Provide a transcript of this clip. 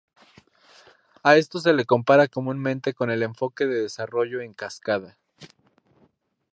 A esto se lo compara comúnmente con el enfoque de desarrollo en cascada.